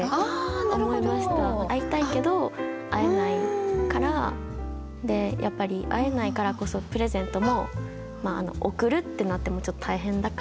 会いたいけど会えないから会えないからこそプレゼントも贈るってなってもちょっと大変だから。